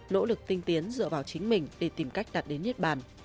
nỗ lực tinh tiến dựa vào chính mình để tìm cách đạt đến nhiết bàn